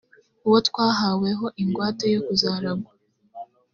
uwo twahawe ho ingwate yo kuzaragwa